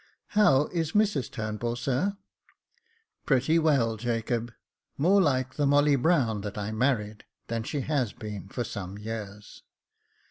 "How is Mrs Turnbull, sir ?" "Pretty well, Jacob, more like the Molly Brown that I married than she has been for some years.